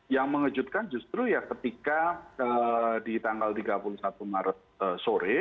yang mengejutkan justru ya ketika di tanggal tiga puluh satu maret sore